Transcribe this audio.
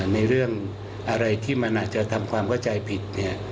ในเรื่องอะไรที่มันอาจจะทำความเข้าใจผิด